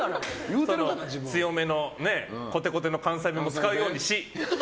強めのこてこての関西弁も使うようにし。